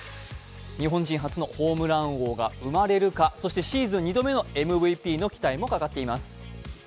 日本人初のホームラン王が生まれるか、そしてシーズン２度目のＭＶＰの期待もかかっています。